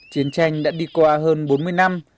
chiến tranh đã đi qua hơn bốn mươi năm